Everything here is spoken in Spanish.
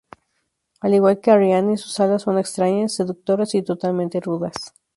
Al igual que Arriane, sus alas son extrañas, seductoras y totalmente rudas.